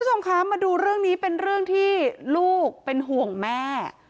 คุณผู้ชมคะมาดูเรื่องนี้เป็นเรื่องที่ลูกเป็นห่วงแม่